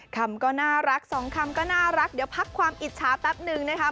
คำก็น่ารักสองคำก็น่ารักเดี๋ยวพักความอิจฉาแป๊บนึงนะคะ